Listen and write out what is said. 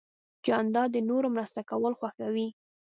جانداد د نورو مرسته کول خوښوي.